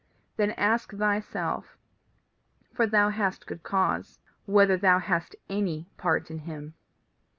Then ask thyself, for thou hast good cause, whether thou hast any part in him.